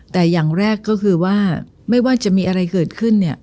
แต่อย่างแรกก็คือว่าไม่ว่าจะมีอะไรเกิดขึ้นเนี่ย